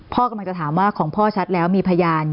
พ่อกำลังจะถามว่าของพ่อชัดแล้วมีพยาน